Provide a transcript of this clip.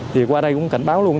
thì qua đây cũng cảnh báo luôn